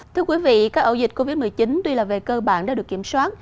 thưa quý vị các ẩu dịch covid một mươi chín tuy là về cơ bản đã được kiểm soát